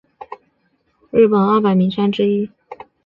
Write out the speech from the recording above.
能乡白山也是日本二百名山之一。